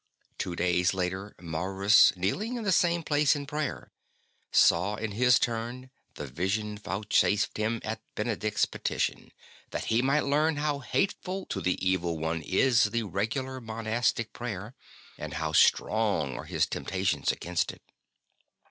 Two days later Maurus, kneeling in the same place in prayer, saw in his turn the vision vouchsafed him at Benedict's petition, that he might learn how hateful to the Evil One ST. BENEDICT 45 is the regular monastic prayer, and how strong are his temptations against it.